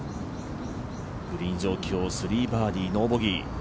グリーン上、今日３バーディー・ノーボギー。